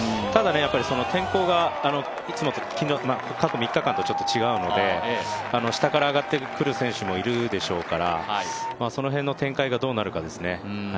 ただ、天候がいつもと、過去３日間と違うので下から上がってくる選手もいるでしょうからその辺の展開がどうなるかですね。